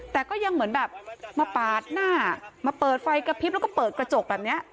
แต่ก็ยังเหมือนแบบมาปาดหน้ามาเปิดไฟกระพริบแล้วก็เปิดกระจกแบบนี้